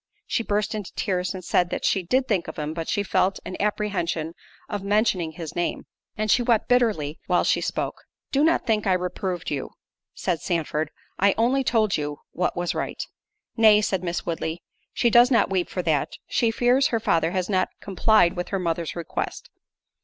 She burst into tears, and said that she "Did think of him, but she felt an apprehension of mentioning his name"—and she wept bitterly while she spoke. "Do not think I reproved you," said Sandford; "I only told you what was right." "Nay," said Miss Woodley, "she does not weep for that—she fears her father has not complied with her mother's request.